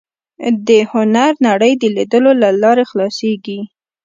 د هنر نړۍ د لیدلو له لارې خلاصېږي